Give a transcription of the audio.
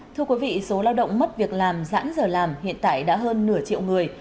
thưa quý vị số lao động mất việc làm giãn giờ làm hiện tại đã hơn nửa triệu người